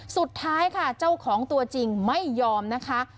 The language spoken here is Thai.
สุดท้ายค่ะเจ้าของตัวจริงไม่ยอมนะคะ